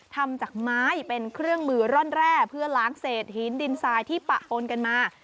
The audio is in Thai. ทำจากไม้เป็นเครื่องมือร่อนแร่เพื่อล้างเศษหินดินทรายที่ปะปนกันมา